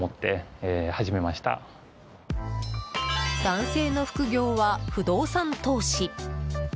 男性の副業は、不動産投資。